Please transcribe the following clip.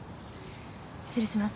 失礼します。